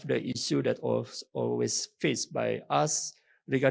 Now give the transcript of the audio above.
tapi salah satu masalah yang selalu dihadapi oleh kami